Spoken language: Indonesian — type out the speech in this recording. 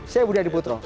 saya budi adiputro